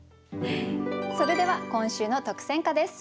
それでは今週の特選歌です。